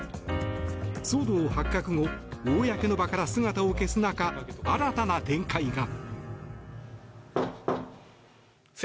騒動発覚後公の場から姿を消す中新たな展開が。